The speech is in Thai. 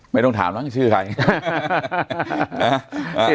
ไม่ต้องถามนะชื่อใคร